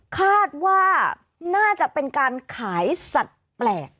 คาดว่าน่าจะเป็นการขายสัตว์แปลก